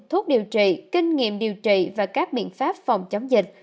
thuốc điều trị kinh nghiệm điều trị và các biện pháp phòng chống dịch